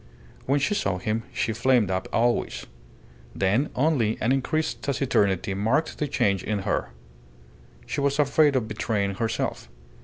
When she saw him she flamed up always. Then only an increased taciturnity marked the change in her. She was afraid of betraying herself.